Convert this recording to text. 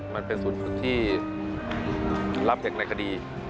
มันเป็นศูนย์ฝึกที่รับเด็กในคดี